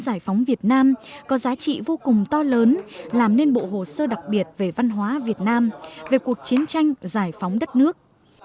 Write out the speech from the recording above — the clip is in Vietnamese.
giải phóng việt nam có giá trị vô cùng to lớn làm nên bộ hồ sơ đặc biệt về văn hóa việt nam về cuộc chiến tranh giải phóng đất nước